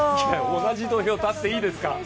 同じ土俵に立っていいですか。